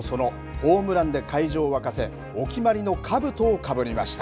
ホームランで会場を沸かせお決まりのかぶとをかぶりました。